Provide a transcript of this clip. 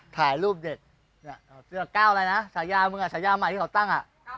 ถ่ายรูปเด็กเสื้อก้าวอะไรนะฉายามึงอ่ะฉายาใหม่ที่เขาตั้ง